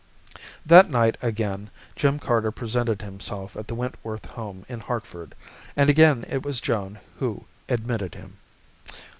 That night again, Jim Carter presented himself at the Wentworth home in Hartford, and again it was Joan who admitted him.